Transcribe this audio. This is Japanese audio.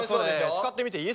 使ってみていい？